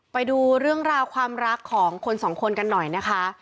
ไปดูเรื่องราวความรักของคนสองคนกันหน่อยนะคะ